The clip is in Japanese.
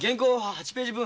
８ページ分